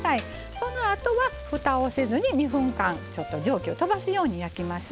そのあとはふたをせずに２分間蒸気をとばすように焼きます。